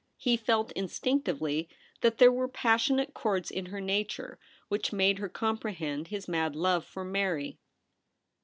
He felt Instinctively that there were passionate chords in her nature which made her compre hend his mad love for Mary.